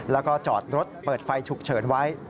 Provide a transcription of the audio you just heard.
แล้วก็จอดรถเปิดไฟฉุกเฉินไว้